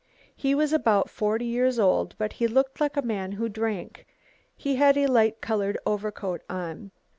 "He was about forty years old, but he looked like a man who drank. He had a light coloured overcoat on."